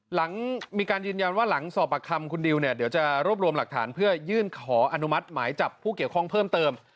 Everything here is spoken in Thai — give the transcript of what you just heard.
หลังมีการยืนยันว่าหลังสอบประคำคุณดิวเนี่ยเดี๋ยวจะรวบรวมหลักฐานเพื่อยื่นขออนุมัติหมายจับผู้เกี่ยวข้องเพิ่มเติม